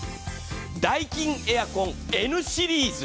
ダイキンエアコンＮシリーズ。